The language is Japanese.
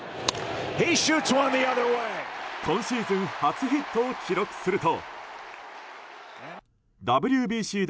今シーズン初ヒットを記録すると。